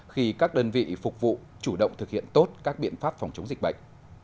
khi các đơn vị phục vụ chủ động thực hiện tốt các biện pháp phòng chống dịch bệnh